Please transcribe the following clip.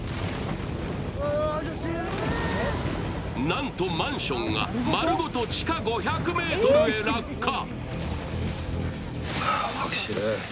なんとマンションが丸ごと地下５００ｍへ落下。